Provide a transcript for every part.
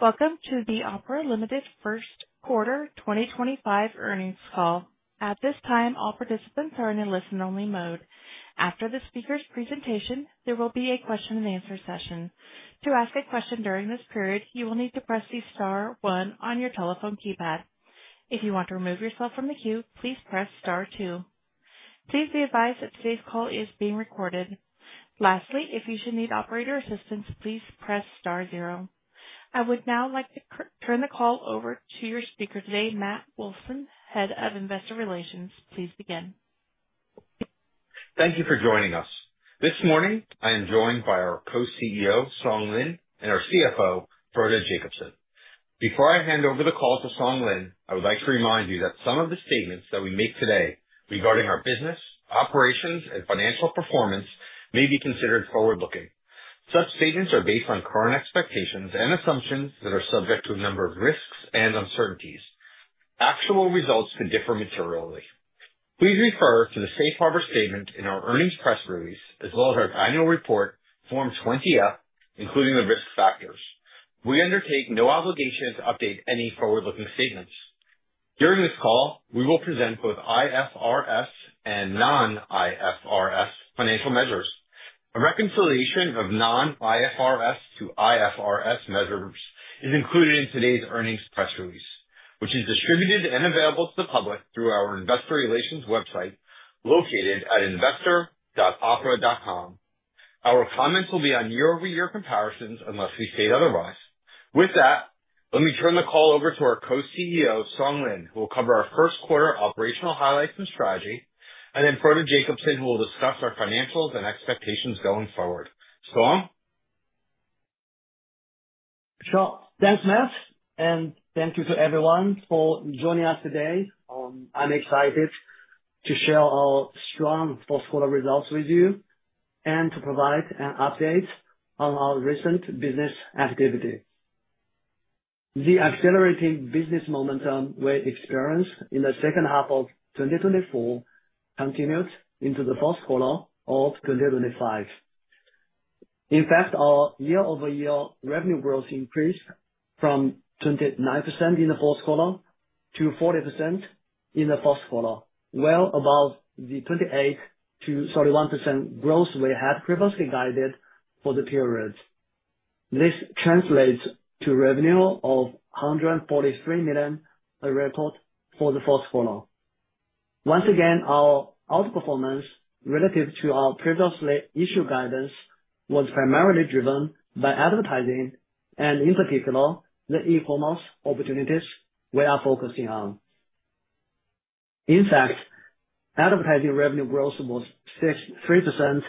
Welcome to the Opera Limited First Quarter 2025 Earnings Call. At this time, all participants are in a listen-only mode. After the speaker's presentation, there will be a question-and-answer session. To ask a question during this period, you will need to press the star one on your telephone keypad. If you want to remove yourself from the queue, please press star two. Please be advised that today's call is being recorded. Lastly, if you should need operator assistance, please press star zero. I would now like to turn the call over to your speaker today, Matt Wolfson, Head of Investor Relations. Please begin. Thank you for joining us. This morning, I am joined by our Co-CEO, Song Lin, and our CFO, Frode Jacobsen. Before I hand over the call to Song Lin, I would like to remind you that some of the statements that we make today regarding our business, operations, and financial performance may be considered forward-looking. Such statements are based on current expectations and assumptions that are subject to a number of risks and uncertainties. Actual results can differ materially. Please refer to the Safe Harbor statement in our earnings press release, as well as our annual report, Form 20-F, including the risk factors. We undertake no obligation to update any forward-looking statements. During this call, we will present both IFRS and non-IFRS financial measures. A reconciliation of non-IFRS to IFRS measures is included in today's earnings press release, which is distributed and available to the public through our investor relations website located at investor.opera.com. Our comments will be on year-over-year comparisons unless we state otherwise. With that, let me turn the call over to our Co-CEO, Song Lin, who will cover our first quarter operational highlights and strategy, and then Frode Jacobsen, who will discuss our financials and expectations going forward. Song? Sure. Thanks, Matt. Thank you to everyone for joining us today. I'm excited to share our strong fourth-quarter results with you and to provide an update on our recent business activity. The accelerating business momentum we experienced in the second half of 2024 continued into the first quarter of 2025. In fact, our year-over-year revenue growth increased from 29% in the fourth quarter to 40% in the first quarter, well above the 28%-31% growth we had previously guided for the period. This translates to a revenue of $143 million, a record for the fourth quarter. Once again, our outperformance relative to our previously issued guidance was primarily driven by advertising and, in particular, the e-commerce opportunities we are focusing on. In fact, advertising revenue growth was 63%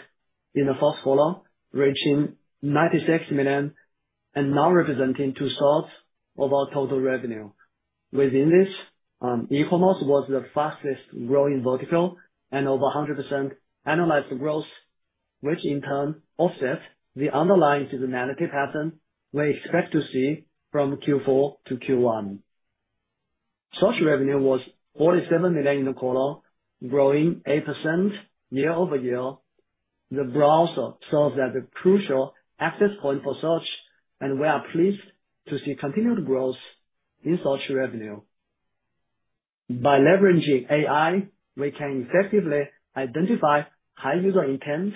in the fourth quarter, reaching $96 million and now representing two-thirds of our total revenue. Within this, e-commerce was the fastest-growing vertical and over 100% annualized growth, which in turn offsets the underlying seasonality pattern we expect to see from Q4 to Q1. Search revenue was $47 million in the quarter, growing 8% year-over-year. The growth serves as a crucial access point for search, and we are pleased to see continued growth in search revenue. By leveraging AI, we can effectively identify high user intent,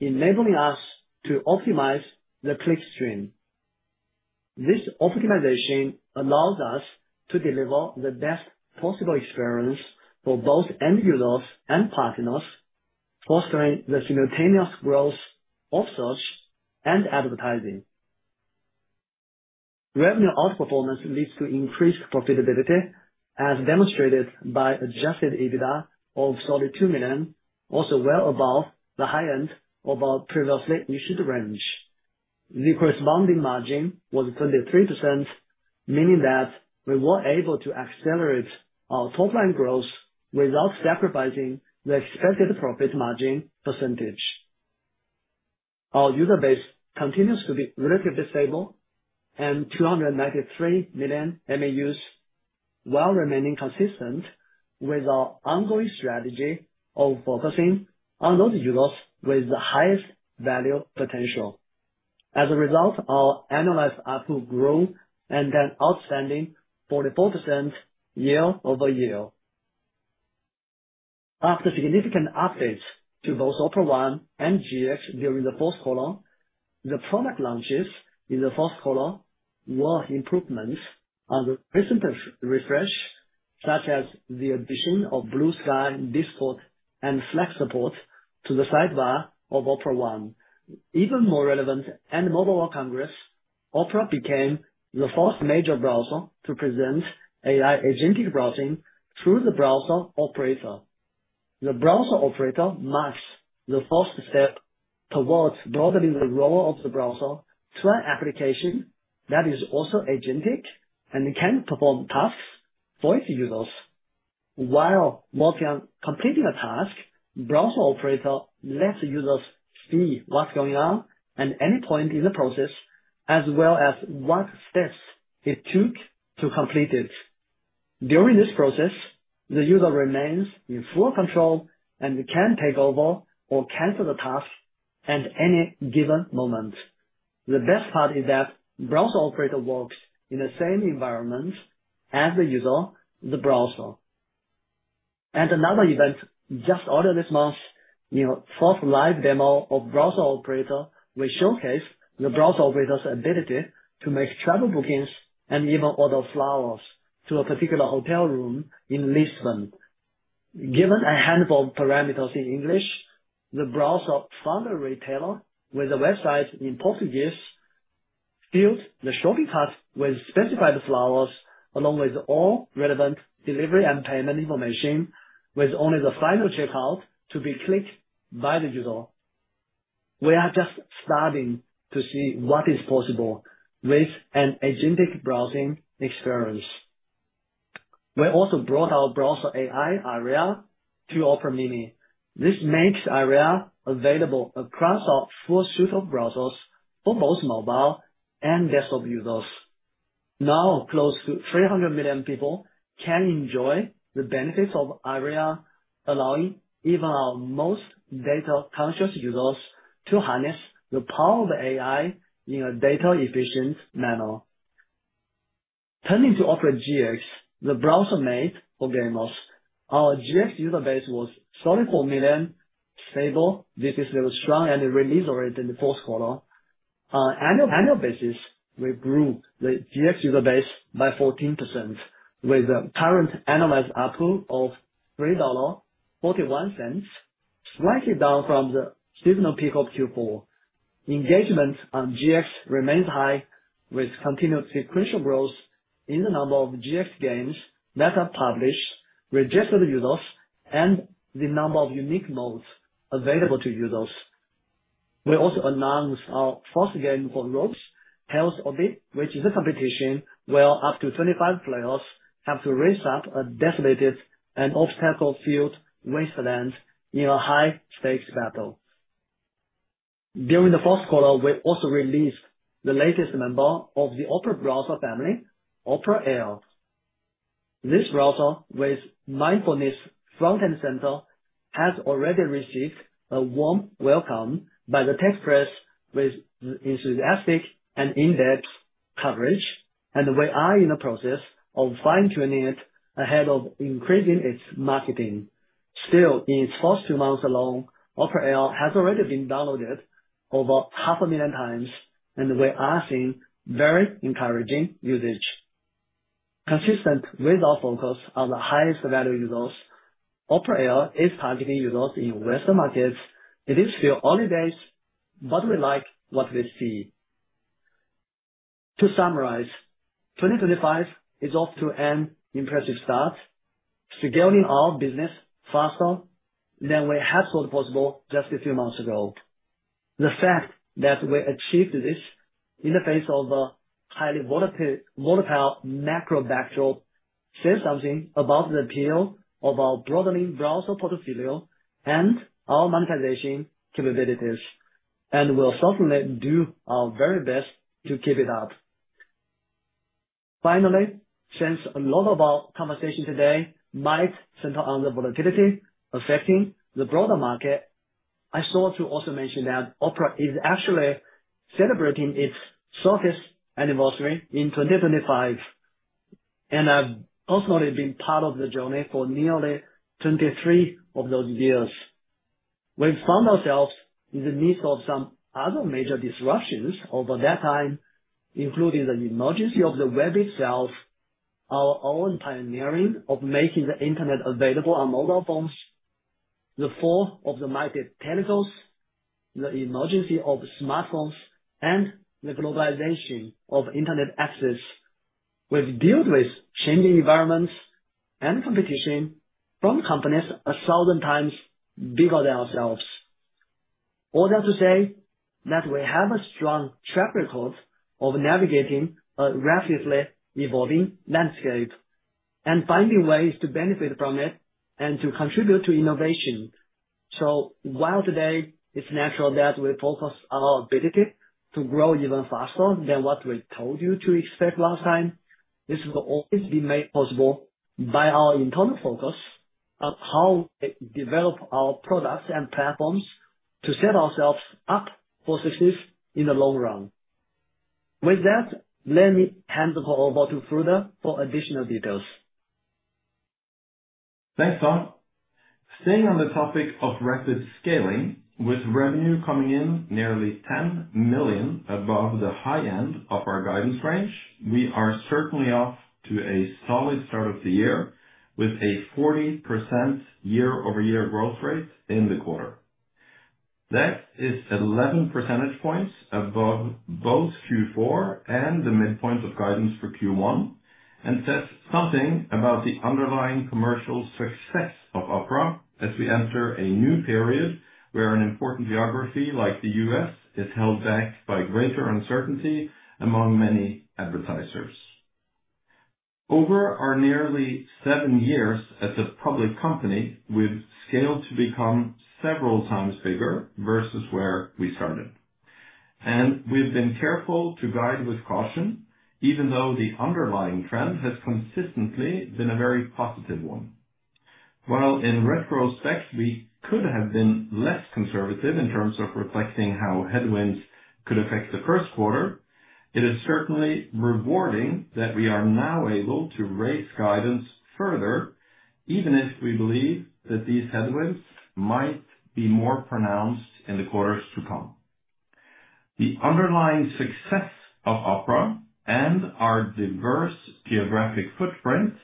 enabling us to optimize the clickstream. This optimization allows us to deliver the best possible experience for both end users and partners, fostering the simultaneous growth of search and advertising. Revenue outperformance leads to increased profitability, as demonstrated by adjusted EBITDA of $42 million, also well above the high end of our previously issued range. The corresponding margin was 23%, meaning that we were able to accelerate our top-line growth without sacrificing the expected profit margin percentage. Our user base continues to be relatively stable at $293 million MAUs, while remaining consistent with our ongoing strategy of focusing on those users with the highest value potential. As a result, our annualized ARPU grew and an outstanding 44% year-over-year. After significant updates to both Opera One and GX during the fourth quarter, the product launches in the fourth quarter were improvements on the recent refresh, such as the addition of Bluesky, Discord, and Slack support to the sidebar of Opera One. Even more relevant, at Mobile World Congress, Opera became the fourth major browser to present AI agentic browsing through the browser operator. The browser operator marks the first step towards broadening the role of the browser to an application that is also agentic and can perform tasks for its users. While completing a task, the browser operator lets users see what's going on at any point in the process, as well as what steps it took to complete it. During this process, the user remains in full control and can take over or cancel the task at any given moment. The best part is that the browser operator works in the same environment as the user, the browser. Earlier this month, at the fourth live demo of the browser operator, we showcased the browser operator's ability to make travel bookings and even order flowers to a particular hotel room in Lisbon. Given a handful of parameters in English, the browser found a retailer with a website in Portuguese, filled the shopping cart with specified flowers, along with all relevant delivery and payment information, with only the final checkout to be clicked by the user. We are just starting to see what is possible with an agentic browsing experience. We also brought our browser AI Aria to Opera Mini. This makes Aria available across our full suite of browsers for both mobile and desktop users. Now, close to 300 million people can enjoy the benefits of Aria, allowing even our most data-conscious users to harness the power of AI in a data-efficient manner. Turning to Opera GX, the browser made for gamers. Our GX user base was 34 million, stable, this is strong and really solid in the fourth quarter. On an annual basis, we grew the GX user base by 14%, with the current annualized ARPU of $3.41, slightly down from the seasonal peak of Q4. Engagement on GX remains high, with continued sequential growth in the number of GX games that are published, registered users, and the number of unique modes available to users. We also announced our first game for Roblox, Hell’s Obby, which is a competition where up to 25 players have to race up a desolated and obstacle-filled wasteland in a high-stakes battle. During the fourth quarter, we also released the latest member of the Opera browser family, Opera Air. This browser, with mindfulness front and center, has already received a warm welcome by the tech press with enthusiastic and in-depth coverage, and we are in the process of fine-tuning it ahead of increasing its marketing. Still, in its first two months alone, Opera Air has already been downloaded over 500,000 times, and we are seeing very encouraging usage. Consistent with our focus on the highest-value users, Opera Air is targeting users in Western markets. It is still early days, but we like what we see. To summarize, 2025 is off to an impressive start, scaling our business faster than we had thought possible just a few months ago. The fact that we achieved this in the face of a highly volatile macro backdrop says something about the appeal of our broadening browser portfolio and our monetization capabilities, and we will certainly do our very best to keep it up. Finally, since a lot of our conversation today might center on the volatility affecting the broader market, I thought to also mention that Opera is actually celebrating its service anniversary in 2025, and I have personally been part of the journey for nearly 23 of those years. We found ourselves in the midst of some other major disruptions over that time, including the emergence of the web itself, our own pioneering of making the internet available on mobile phones, the fall of the market telcos, the emergence of smartphones, and the globalization of internet access. We've dealt with changing environments and competition from companies a thousand times bigger than ourselves. All that to say that we have a strong track record of navigating a rapidly evolving landscape and finding ways to benefit from it and to contribute to innovation. While today it's natural that we focus our ability to grow even faster than what we told you to expect last time, this will always be made possible by our internal focus on how we develop our products and platforms to set ourselves up for success in the long run. With that, let me hand the call over to Frode for additional details. Thanks, Song. Staying on the topic of rapid scaling, with revenue coming in nearly $10 million above the high end of our guidance range, we are certainly off to a solid start of the year with a 40% year-over-year growth rate in the quarter. That is 11 percentage points above both Q4 and the midpoint of guidance for Q1, and says something about the underlying commercial success of Opera as we enter a new period where an important geography like the U.S. is held back by greater uncertainty among many advertisers. Over our nearly seven years as a public company, we've scaled to become several times bigger versus where we started. We've been careful to guide with caution, even though the underlying trend has consistently been a very positive one. While in retrospect, we could have been less conservative in terms of reflecting how headwinds could affect the first quarter, it is certainly rewarding that we are now able to raise guidance further, even if we believe that these headwinds might be more pronounced in the quarters to come. The underlying success of Opera and our diverse geographic footprint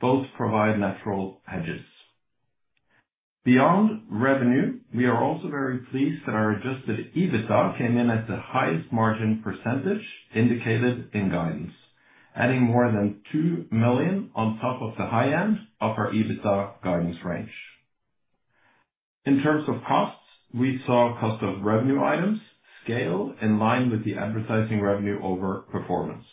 both provide natural hedges. Beyond revenue, we are also very pleased that our adjusted EBITDA came in at the highest margin percentage indicated in guidance, adding more than $2 million on top of the high end of our EBITDA guidance range. In terms of costs, we saw cost of revenue items scale in line with the advertising revenue over performance.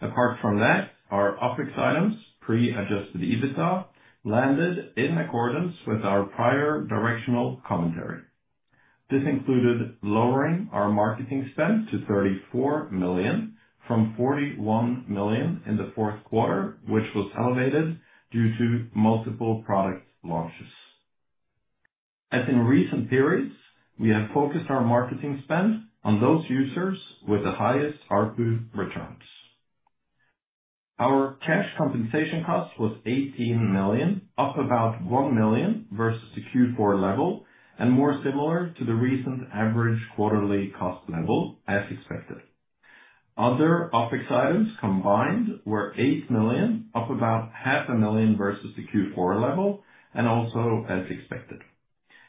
Apart from that, our OpEx items, pre-adjusted EBITDA, landed in accordance with our prior directional commentary. This included lowering our marketing spend to $34 million from $41 million in the fourth quarter, which was elevated due to multiple product launches. As in recent periods, we have focused our marketing spend on those users with the highest ARPU returns. Our cash compensation cost was $18 million, up about $1 million versus the Q4 level, and more similar to the recent average quarterly cost level, as expected. Other OpEx items combined were $8 million, up about $500,000 versus the Q4 level, and also as expected.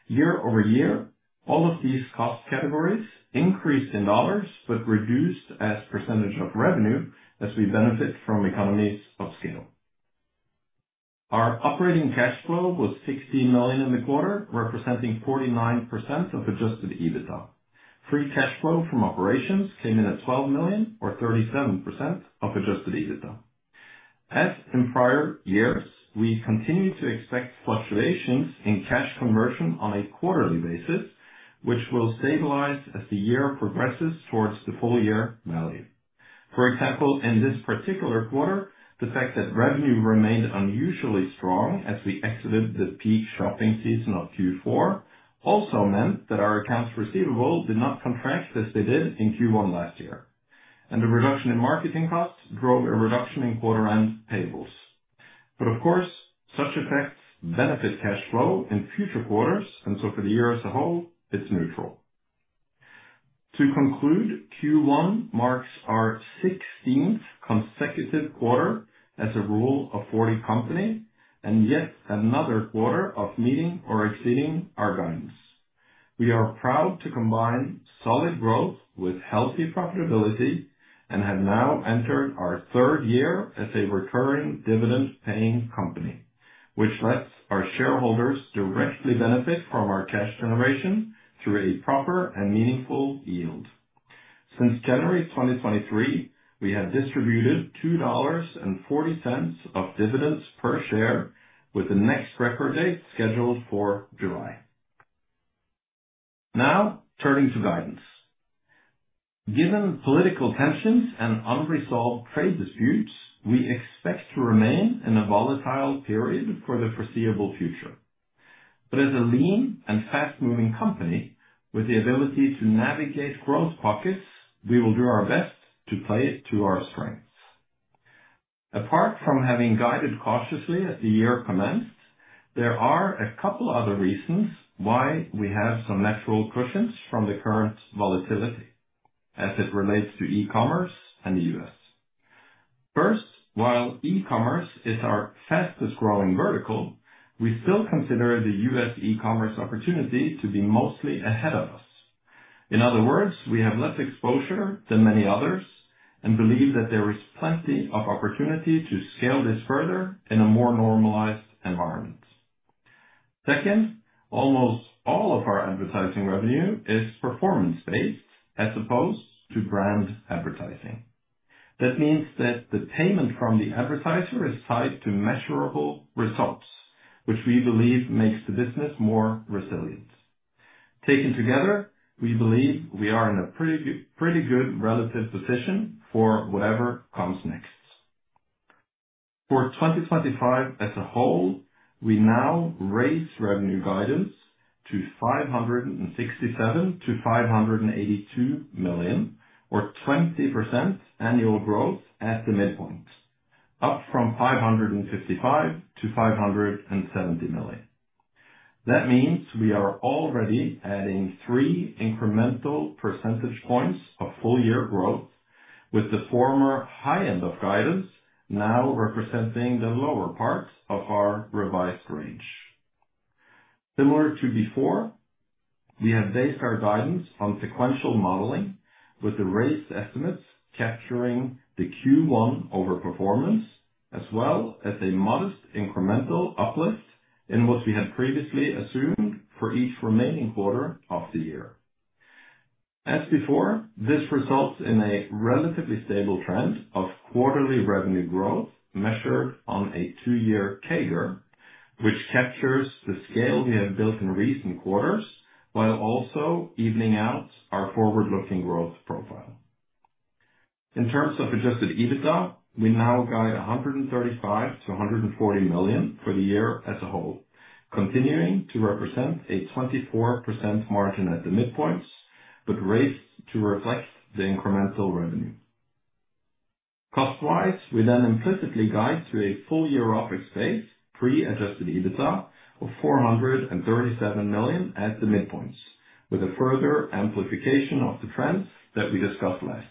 Year-over-year, all of these cost categories increased in dollars but reduced as percentage of revenue as we benefit from economies of scale. Our operating cash flow was $16 million in the quarter, representing 49% of adjusted EBITDA. Free cash flow from operations came in at $12 million, or 37% of adjusted EBITDA. As in prior years, we continue to expect fluctuations in cash conversion on a quarterly basis, which will stabilize as the year progresses towards the full-year value. For example, in this particular quarter, the fact that revenue remained unusually strong as we exited the peak shopping season of Q4 also meant that our accounts receivable did not contract as they did in Q1 last year. The reduction in marketing costs drove a reduction in quarter-end payables. Of course, such effects benefit cash flow in future quarters, and for the year as a whole, it is neutral. To conclude, Q1 marks our 16th consecutive quarter as a Rule of 40 company, and yet another quarter of meeting or exceeding our guidance. We are proud to combine solid growth with healthy profitability and have now entered our third year as a recurring dividend-paying company, which lets our shareholders directly benefit from our cash generation through a proper and meaningful yield. Since January 2023, we have distributed $2.40 of dividends per share, with the next record date scheduled for July. Now, turning to guidance. Given political tensions and unresolved trade disputes, we expect to remain in a volatile period for the foreseeable future. As a lean and fast-moving company with the ability to navigate growth pockets, we will do our best to play it to our strengths. Apart from having guided cautiously as the year commenced, there are a couple of other reasons why we have some natural cushions from the current volatility as it relates to e-commerce and the U.S. First, while e-commerce is our fastest-growing vertical, we still consider the U.S. e-commerce opportunity to be mostly ahead of us. In other words, we have less exposure than many others and believe that there is plenty of opportunity to scale this further in a more normalized environment. Second, almost all of our advertising revenue is performance-based as opposed to brand advertising. That means that the payment from the advertiser is tied to measurable results, which we believe makes the business more resilient. Taken together, we believe we are in a pretty good relative position for whatever comes next. For 2025 as a whole, we now raise revenue guidance to $567-$582 million, or 20% annual growth at the midpoint, up from $555-$570 million. That means we are already adding three incremental percentage points of full-year growth, with the former high end of guidance now representing the lower part of our revised range. Similar to before, we have based our guidance on sequential modeling, with the raised estimates capturing the Q1 overperformance, as well as a modest incremental uplift in what we had previously assumed for each remaining quarter of the year. As before, this results in a relatively stable trend of quarterly revenue growth measured on a two-year CAGR, which captures the scale we have built in recent quarters, while also evening out our forward-looking growth profile. In terms of adjusted EBITDA, we now guide $135-$140 million for the year as a whole, continuing to represent a 24% margin at the midpoints, but raised to reflect the incremental revenue. Cost-wise, we then implicitly guide to a full-year OpEx base pre-adjusted EBITDA of $437 million at the midpoints, with a further amplification of the trends that we discussed last.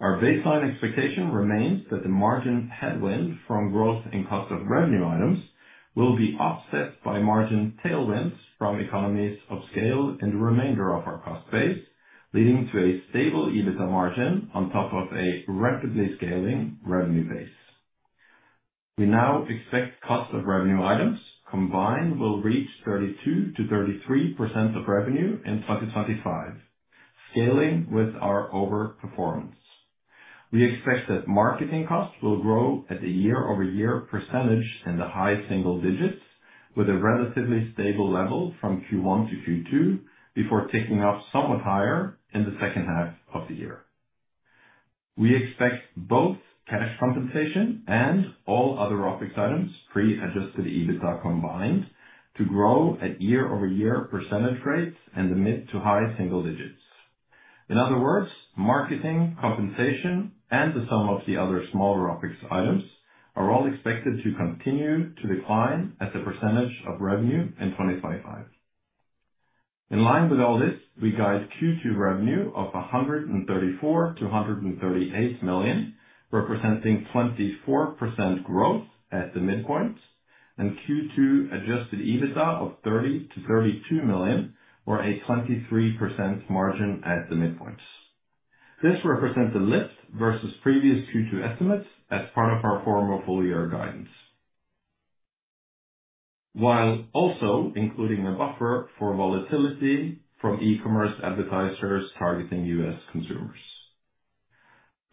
Our baseline expectation remains that the margin headwind from growth in cost of revenue items will be offset by margin tailwinds from economies of scale in the remainder of our cost base, leading to a stable EBITDA margin on top of a rapidly scaling revenue base. We now expect cost of revenue items combined will reach 32%-33% of revenue in 2025, scaling with our overperformance. We expect that marketing costs will grow at a year-over-year percentage in the high single digits, with a relatively stable level from Q1 to Q2, before ticking up somewhat higher in the second half of the year. We expect both cash compensation and all other OpEx items pre-adjusted EBITDA combined to grow at year-over-year percentage rates in the mid to high single digits. In other words, marketing, compensation, and the sum of the other smaller OpEx items are all expected to continue to decline as a percentage of revenue in 2025. In line with all this, we guide Q2 revenue of $134-$138 million, representing 24% growth at the midpoint, and Q2 adjusted EBITDA of $30-$32 million, or a 23% margin at the midpoint. This represents a lift versus previous Q2 estimates as part of our former full-year guidance, while also including a buffer for volatility from e-commerce advertisers targeting U.S. consumers.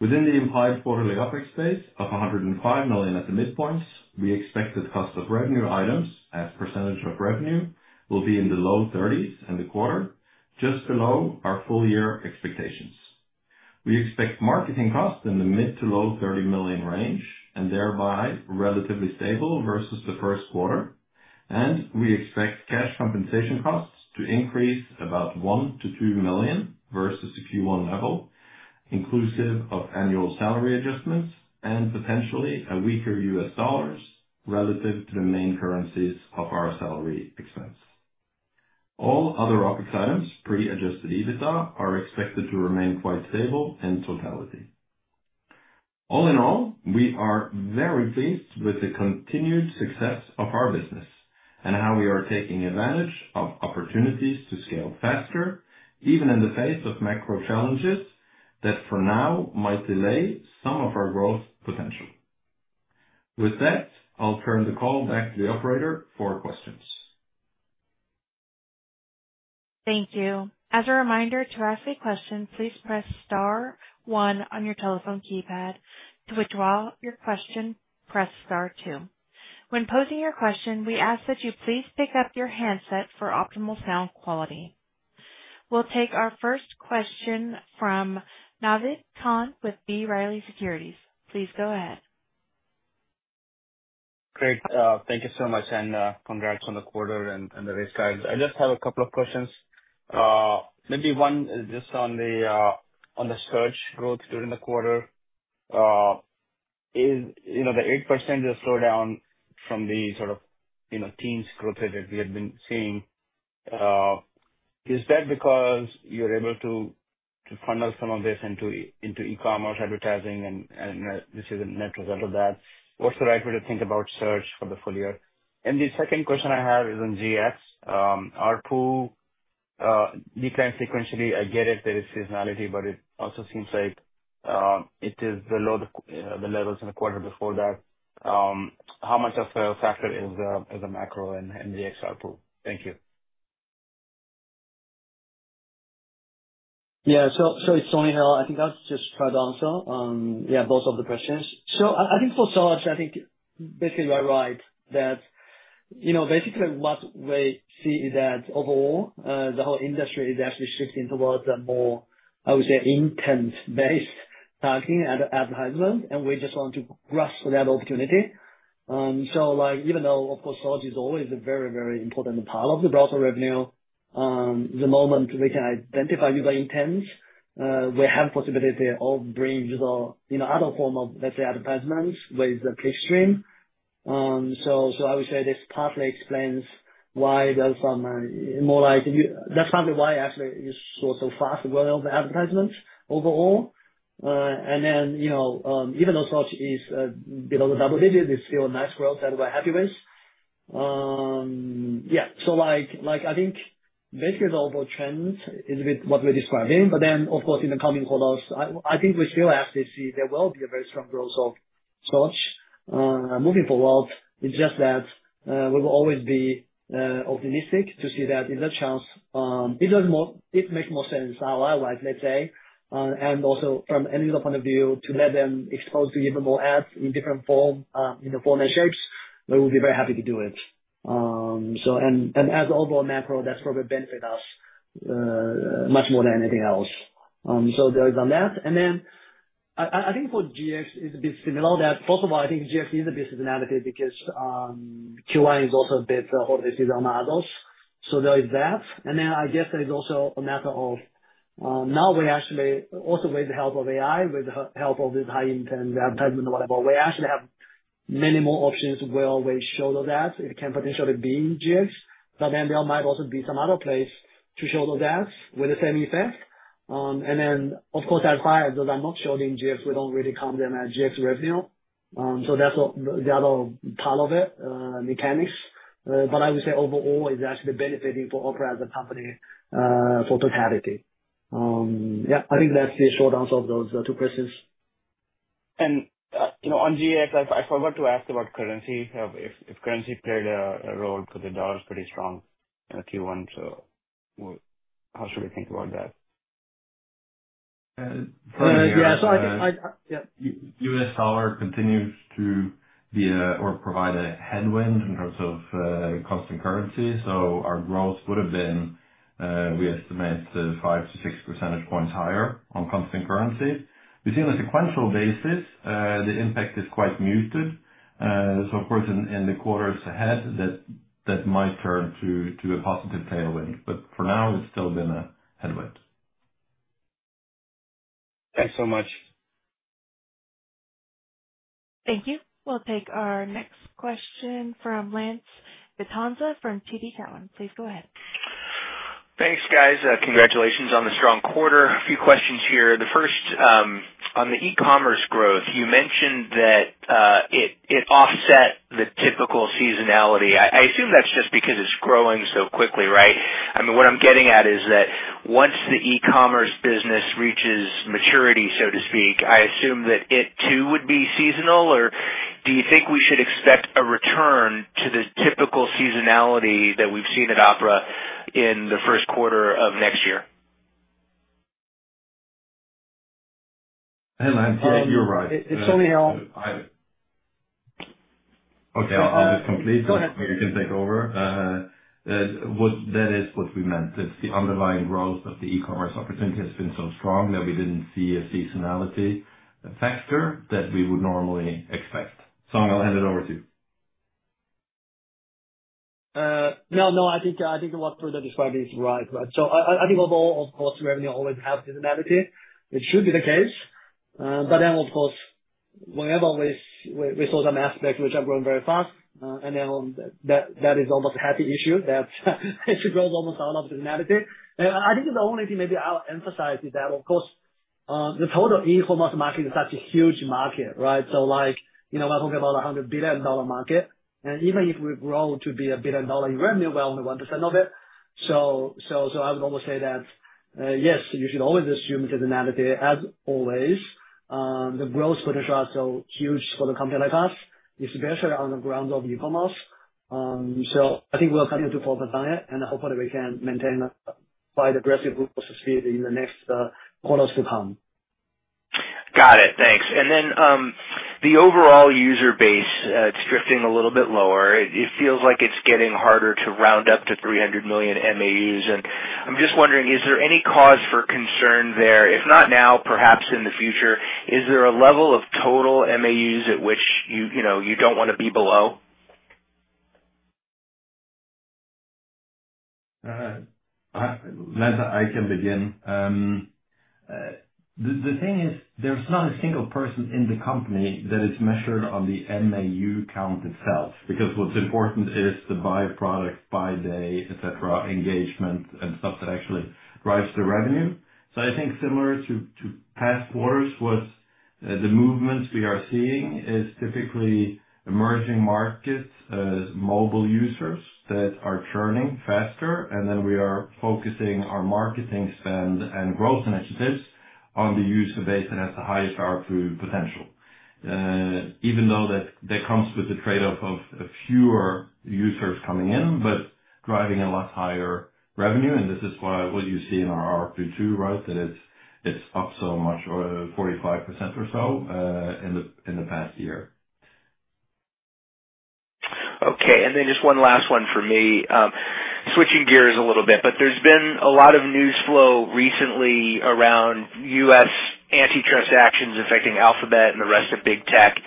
Within the implied quarterly OpEx base of $105 million at the midpoints, we expect that cost of revenue items as percentage of revenue will be in the low 30% in the quarter, just below our full-year expectations. We expect marketing costs in the mid to low $30 million range, and thereby relatively stable versus the first quarter, and we expect cash compensation costs to increase about $1-$2 million versus the Q1 level, inclusive of annual salary adjustments and potentially a weaker U.S. dollar relative to the main currencies of our salary expense. All other OpEx items pre-adjusted EBITDA are expected to remain quite stable in totality. All in all, we are very pleased with the continued success of our business and how we are taking advantage of opportunities to scale faster, even in the face of macro challenges that for now might delay some of our growth potential. With that, I'll turn the call back to the operator for questions. Thank you. As a reminder, to ask a question, please press Star one on your telephone keypad. To withdraw your question, press Star two. When posing your question, we ask that you please pick up your handset for optimal sound quality. We'll take our first question from Navid Khan with B. Riley Securities. Please go ahead. Great. Thank you so much, and congrats on the quarter and the raised guidance. I just have a couple of questions. Maybe one is just on the search growth during the quarter. The 8% just slowed down from the sort of teens growth rate that we had been seeing. Is that because you're able to funnel some of this into e-commerce advertising, and this is a net result of that? What's the right way to think about search for the full year? The second question I have is on GX. ARPU declined sequentially. I get it. There is seasonality, but it also seems like it is below the levels in the quarter before that. How much of a factor is a macro in the ARPU? Thank you. Yeah. It's Song Lin. I think I'll just try to answer, yeah, both of the questions. I think for sure, basically you're right that basically what we see is that overall, the whole industry is actually shifting towards a more, I would say, intent-based targeting at the advertisement, and we just want to grasp that opportunity. Even though, of course, search is always a very, very important part of the browser revenue, the moment we can identify user intents, we have the possibility of bringing other form of, let's say, advertisements with the clickstream. I would say this partly explains why there's some more, like, that's partly why actually it's so fast growing of the advertisements overall. Even though search is below the double digit, it's still a nice growth that we're happy with. Yeah. I think basically the overall trend is a bit what we're describing. Of course, in the coming quarters, I think we still actually see there will be a very strong growth of search moving forward. It's just that we will always be optimistic to see that if that chance, if it makes more sense our way, let's say, and also from any other point of view, to let them expose to even more ads in different form and shapes, we will be very happy to do it. As overall macro, that's probably benefit us much more than anything else. There is that. I think for GX, it's a bit similar that, first of all, I think GX is a bit seasonality because Q1 is also a bit of a seasonal model. There is that. There is also a matter of now we actually also with the help of AI, with the help of this high-intent advertisement, whatever, we actually have many more options where we show those ads. It can potentially be in GX, but there might also be some other place to show those ads with the same effect. Of course, as far as those are not showed in GX, we do not really count them as GX revenue. That is the other part of it, mechanics. I would say overall, it is actually benefiting for Opera as a company for totality. I think that is the short answer of those two questions. On GX, I forgot to ask about currency. If currency played a role, because the dollar is pretty strong in Q1, how should we think about that? Yeah. I think. U.S. dollar continues to be or provide a headwind in terms of constant currency. Our growth would have been, we estimate, 5-6 percentage points higher on constant currency. We see on a sequential basis, the impact is quite muted. Of course, in the quarters ahead, that might turn to a positive tailwind. For now, it's still been a headwind. Thanks so much. Thank you. We'll take our next question from Lance Vitanza from TD Cowen. Please go ahead. Thanks, guys. Congratulations on the strong quarter. A few questions here. The first, on the e-commerce growth, you mentioned that it offset the typical seasonality. I assume that's just because it's growing so quickly, right? I mean, what I'm getting at is that once the e-commerce business reaches maturity, so to speak, I assume that it too would be seasonal, or do you think we should expect a return to the typical seasonality that we've seen at Opera in the first quarter of next year? Hey, Lance, you're right. It's Song Lin. Okay, I'll just complete so you can take over. That is what we meant. It's the underlying growth of the e-commerce opportunity has been so strong that we didn't see a seasonality factor that we would normally expect. Song, I'll hand it over to you. No, no, I think what Frode described is right. I think overall, of course, revenue always has seasonality. It should be the case. Of course, whenever we saw some aspect which are growing very fast, that is almost a happy issue that it should grow almost out of seasonality. I think the only thing maybe I'll emphasize is that, of course, the total e-commerce market is such a huge market, right? We're talking about a $100 billion market. Even if we grow to be a billion dollar in revenue, we're only 1% of it. I would almost say that, yes, you should always assume seasonality as always. The growth potential is so huge for the company like us, especially on the grounds of e-commerce. I think we're continuing to focus on it, and hopefully we can maintain quite aggressive growth speed in the next quarters to come. Got it. Thanks. The overall user base is drifting a little bit lower. It feels like it's getting harder to round up to 300 million MAUs. I'm just wondering, is there any cause for concern there? If not now, perhaps in the future, is there a level of total MAUs at which you don't want to be below? Lance, I can begin. The thing is, there's not a single person in the company that is measured on the MAU count itself, because what's important is the byproduct, by day, etc., engagement, and stuff that actually drives the revenue. I think similar to past quarters, the movements we are seeing is typically emerging markets, mobile users that are churning faster, and then we are focusing our marketing spend and growth initiatives on the user base that has the highest ARPU potential. Even though that comes with the trade-off of fewer users coming in, driving a lot higher revenue. This is what you see in our ARPU too, right? That it's up so much, 45% or so, in the past year. Okay. And then just one last one for me. Switching gears a little bit, but there's been a lot of news flow recently around U.S. anti-trust actions affecting Alphabet and the rest of big tech.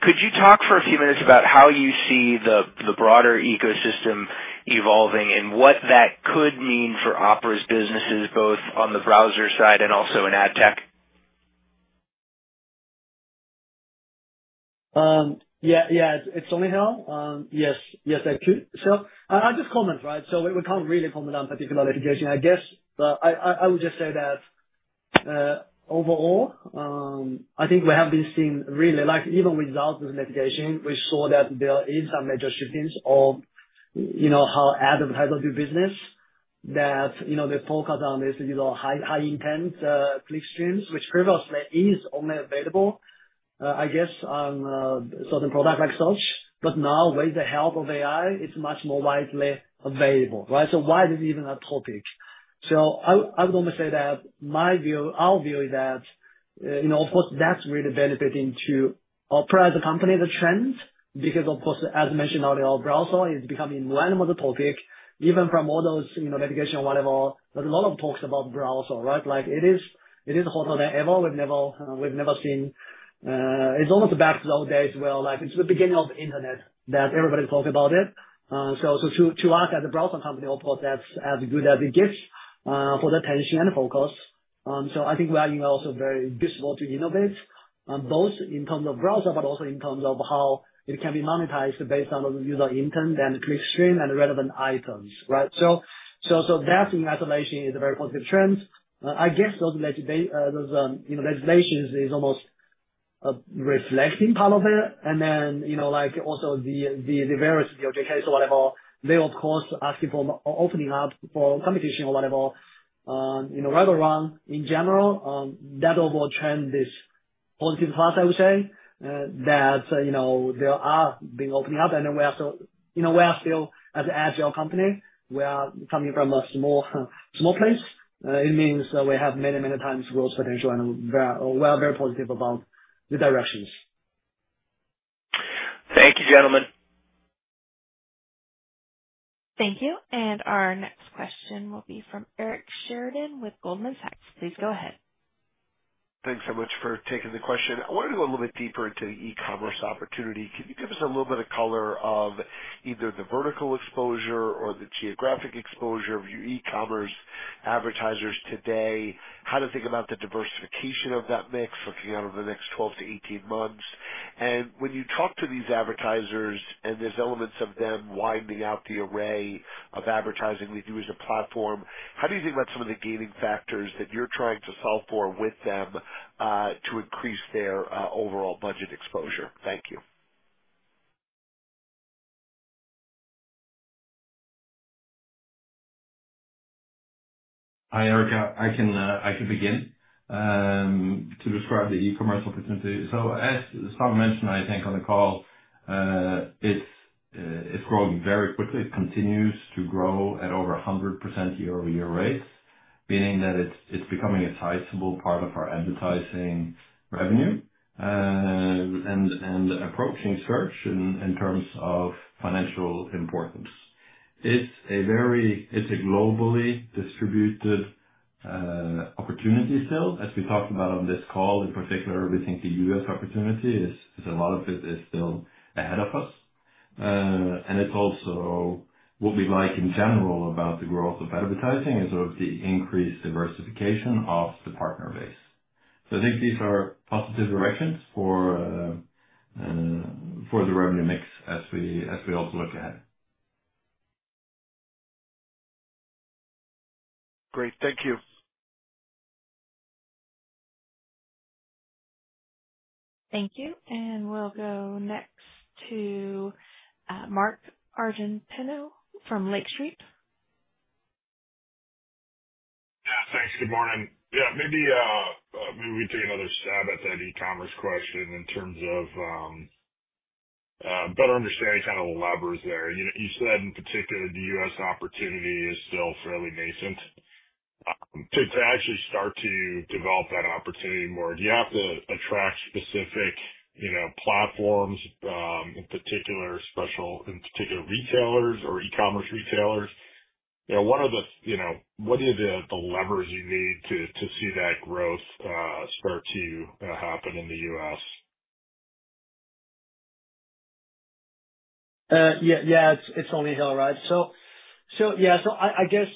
Could you talk for a few minutes about how you see the broader ecosystem evolving and what that could mean for Opera's businesses, both on the browser side and also in ad tech? Yeah, yeah. It's only how? Yes, yes, I could. I'll just comment, right? We can't really comment on particular litigation, I guess. I would just say that overall, I think we have been seeing really even without this litigation, we saw that there is some major shifting of how advertisers do business, that they focus on these high-intent click streams, which previously is only available, I guess, on certain products like such. Now, with the help of AI, it's much more widely available, right? Why is this even a topic? I would almost say that my view, our view, is that, of course, that's really benefiting to Opera as a company, the trend, because, of course, as mentioned earlier, browser is becoming more and more the topic, even from all those litigation or whatever. There's a lot of talks about browser, right? It is hotter than ever. We've never seen it; it's almost back to those days where it's the beginning of the internet that everybody's talking about it. To us as a browser company, of course, that's as good as it gets for the attention and focus. I think we are also very visible to innovate, both in terms of browser, but also in terms of how it can be monetized based on the user intent and click stream and the relevant items, right? That in isolation is a very positive trend. I guess those legislations are almost a reflecting part of it. Also, the various DOJ cases or whatever, they're, of course, asking for opening up for competition or whatever. Right or wrong, in general, that overall trend is positive for us, I would say, that there are being opening up. We are still, as an agile company, coming from a small place. It means we have many, many times growth potential, and we are very positive about the directions. Thank you, gentlemen. Thank you. Our next question will be from Eric Sheridan with Goldman Sachs. Please go ahead. Thanks so much for taking the question. I wanted to go a little bit deeper into e-commerce opportunity. Can you give us a little bit of color of either the vertical exposure or the geographic exposure of your e-commerce advertisers today? How to think about the diversification of that mix looking out over the next 12 to 18 months? When you talk to these advertisers and there's elements of them widening out the array of advertising they do as a platform, how do you think about some of the gating factors that you're trying to solve for with them to increase their overall budget exposure? Thank you. Hi, Eric. I can begin to describe the e-commerce opportunity. As Song mentioned, I think on the call, it's growing very quickly. It continues to grow at over 100% year-over-year rates, meaning that it's becoming a sizable part of our advertising revenue and approaching search in terms of financial importance. It's a globally distributed opportunity still, as we talked about on this call. In particular, we think the U.S. opportunity is a lot of it is still ahead of us. It's also what we like in general about the growth of advertising is sort of the increased diversification of the partner base. I think these are positive directions for the revenue mix as we also look ahead. Great. Thank you. Thank you. We'll go next to Mark Argento from Lake Street. Thanks. Good morning. Yeah, maybe we take another stab at that e-commerce question in terms of better understanding kind of the levers there. You said, in particular, the U.S. opportunity is still fairly nascent. To actually start to develop that opportunity more, do you have to attract specific platforms, in particular, retailers or e-commerce retailers? What are the levers you need to see that growth start to happen in the U.S.? Yeah, it's Song Lin, right? Yeah, I guess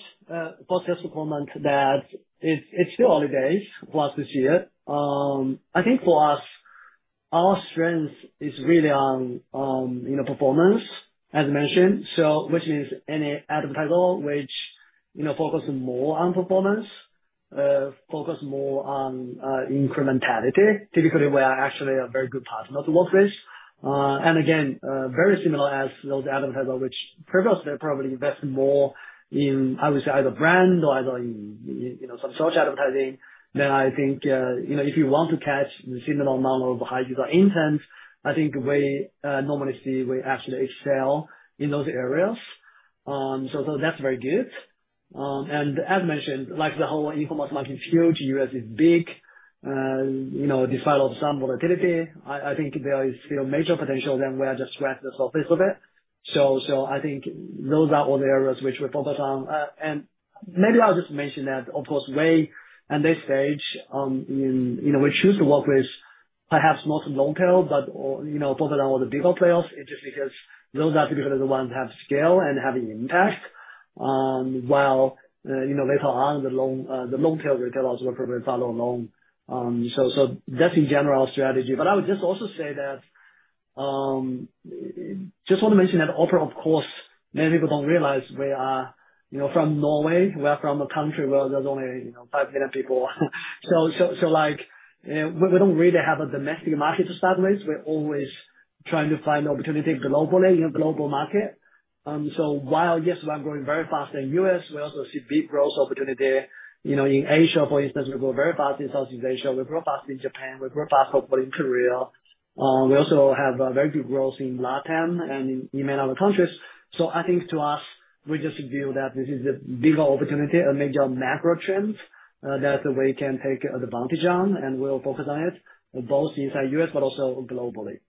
first, just to comment that it's still early days for us to see it. I think for us, our strength is really on performance, as mentioned, which means any advertiser which focuses more on performance, focuses more on incrementality. Typically, we are actually a very good partner to work with. Again, very similar as those advertisers which previously probably invested more in, I would say, either brand or either in some search advertising. I think if you want to catch the similar amount of high-intent, I think we normally see we actually excel in those areas. That's very good. As mentioned, the whole e-commerce market is huge. U.S. is big. Despite some volatility, I think there is still major potential that we are just right at the surface of it. I think those are all the areas which we focus on. Maybe I'll just mention that, of course, we, at this stage, choose to work with perhaps not long-tail, but focus on all the bigger players just because those are typically the ones that have scale and have impact, while later on, the long-tail retailers will probably follow along. That is in general strategy. I would just also say that I just want to mention that Opera, of course, many people do not realize we are from Norway. We are from a country where there are only 5 million people. We do not really have a domestic market to start with. We are always trying to find opportunity globally in a global market. While, yes, we are growing very fast in the U.S., we also see big growth opportunity in Asia. For instance, we grow very fast in Southeast Asia. We grow fast in Japan. We grow fast, hopefully, in Korea. We also have very good growth in LATAM and in many other countries. I think to us, we just view that this is a bigger opportunity, a major macro trend that we can take advantage of, and we'll focus on it both inside the U.S., but also globally.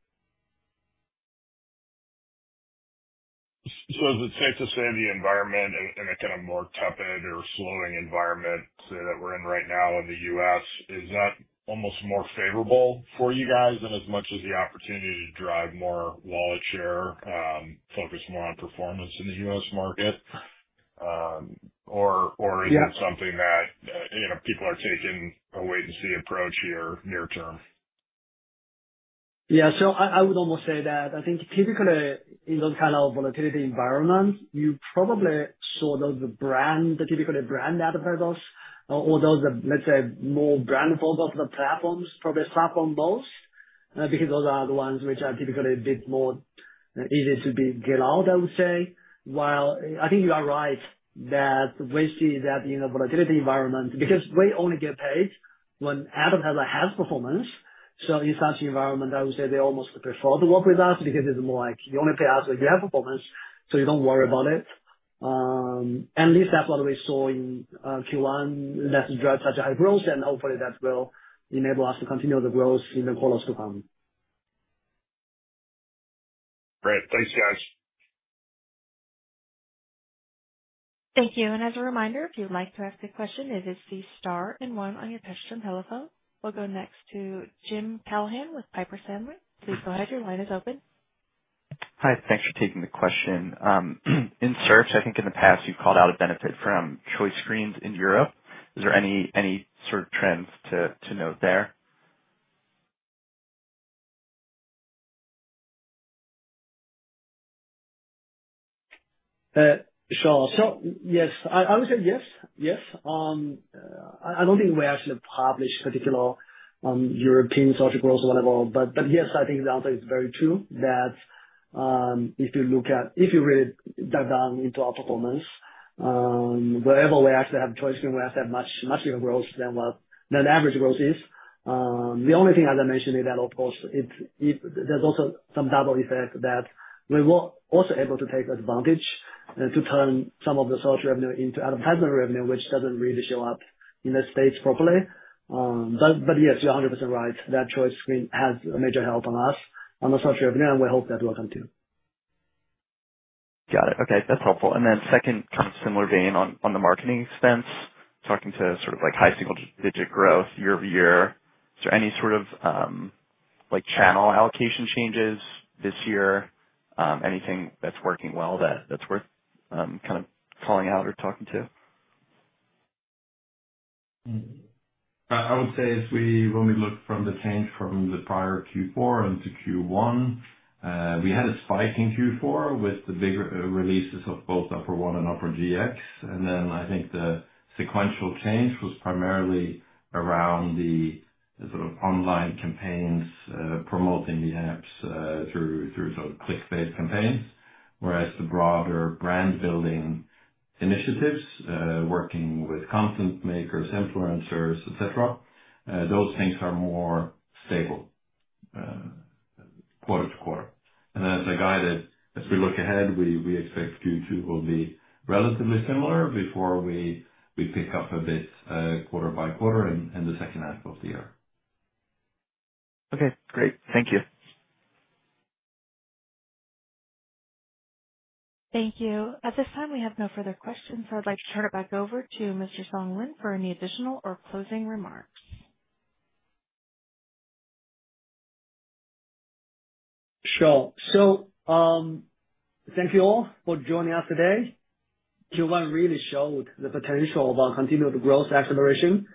Is it safe to say the environment in a kind of more tepid or slowing environment that we're in right now in the U.S., is that almost more favorable for you guys than as much as the opportunity to drive more wallet share, focus more on performance in the U.S. market? Is it something that people are taking a wait-and-see approach here near term? Yeah. I would almost say that I think typically in those kind of volatility environments, you probably saw those brand, typically brand advertisers, or those, let's say, more brand-focused platforms, probably suffer most because those are the ones which are typically a bit more easy to get out, I would say. While I think you are right that we see that in a volatility environment because we only get paid when advertiser has performance. In such environment, I would say they almost prefer to work with us because it's more like you only pay us when you have performance, so you don't worry about it. At least that's what we saw in Q1. Let's drive such a high growth, and hopefully that will enable us to continue the growth in the quarters to come. Great. Thanks, guys. Thank you. As a reminder, if you'd like to ask a question, it is C-Star and one on your touchscreen telephone. We'll go next to Jim Callahan with Piper Sandler. Please go ahead. Your line is open. Hi. Thanks for taking the question. In search I think in the past you've called out a benefit from choice screens in Europe. Is there any sort of trends to note there? Sure. Yes, I would say yes. Yes. I do not think we actually published particular European search growth or whatever. Yes, I think the answer is very true that if you look at if you really dug down into our performance, wherever we actually have choice screens, we actually have much bigger growth than average growth is. The only thing, as I mentioned, is that, of course, there is also some double effect that we were also able to take advantage and to turn some of the search revenue into advertisement revenue, which does not really show up in the States properly. Yes, you are 100% right. That choice screen has a major help on us on the search revenue, and we hope that will continue to. Got it. Okay. That's helpful. Second, kind of similar vein on the marketing expense, talking to sort of high single-digit growth year-over-year, is there any sort of channel allocation changes this year? Anything that's working well that's worth kind of calling out or talking to? I would say when we look from the change from the prior Q4 into Q1, we had a spike in Q4 with the bigger releases of both Opera One and Opera GX. I think the sequential change was primarily around the sort of online campaigns promoting the apps through sort of click-bait campaigns, whereas the broader brand-building initiatives, working with content makers, influencers, etc., those things are more stable quarter to quarter. As I guided, as we look ahead, we expect Q2 will be relatively similar before we pick up a bit quarter by quarter in the second half of the year. Okay. Great. Thank you. Thank you. At this time, we have no further questions, so I'd like to turn it back over to Mr. Song Lin for any additional or closing remarks. Sure. Thank you all for joining us today. Q1 really showed the potential of our continued growth acceleration,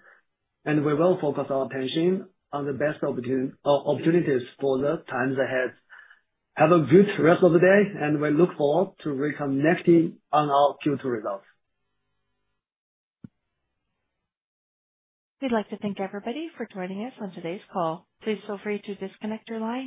and we will focus our attention on the best opportunities for the times ahead. Have a good rest of the day, and we look forward to reconnecting on our Q2 results. We'd like to thank everybody for joining us on today's call. Please feel free to disconnect your line.